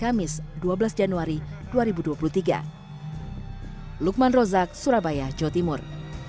polisi juga telah mempelajarinya